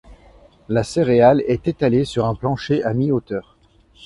La céréale est étalée sur un plancher à mi-hauteur.